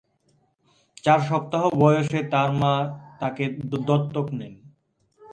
তার চার সপ্তাহ বয়সে তার মা তাকে দত্তক দেন।